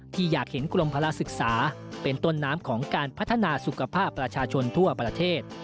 อยากเห็นกรมพละศึกษาเป็นต้นน้ำของการพัฒนาสุขภาพประชาชนทั่วประเทศ